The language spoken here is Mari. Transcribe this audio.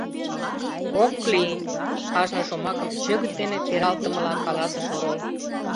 — Ок... лий! — кажне шомакым чӧгыт дене пералтымыла каласыш орол.